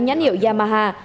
nhắn hiệu yamaha